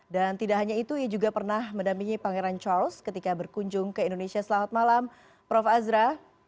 dan tidak hanya itu ia juga pernah mendampingi pangeran charles ketika berkunjung ke indonesia selamat malam prof azra